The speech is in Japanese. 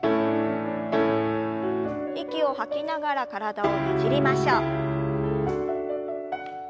息を吐きながら体をねじりましょう。